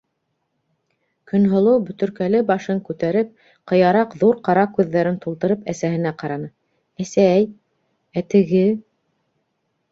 - Көнһылыу бөтөркәле башын күтәреп, ҡыяраҡ ҙур ҡара күҙҙәрен тултырып әсәһенә ҡараны, - әсәй... ә теге...